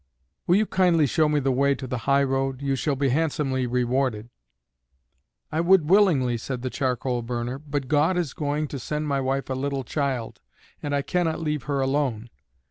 "Will you kindly show me the way to the highroad? You shall be handsomely rewarded." "I would willingly," said the charcoal burner, "But God is going to send my wife a little child, and I cannot leave her alone.